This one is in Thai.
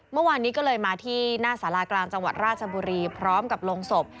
เมื่อวานนี้ก็เลยมาที่หน้าสารากลางจังหวัดราชบุรีพร้อมกับลงศพ